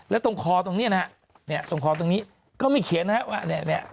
แล้วตรงคอตรงนี้นะฮะเนี่ยตรงคอตรงนี้ก็ไม่เขียนนะฮะว่าเนี่ย